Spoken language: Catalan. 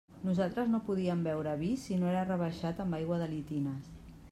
Nosaltres no podíem beure vi si no era rebaixat amb aigua de litines.